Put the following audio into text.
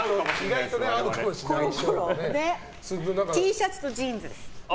Ｔシャツとジーンズです。